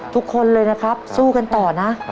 ทุกคนเลยนะครับสู้กันต่อนะ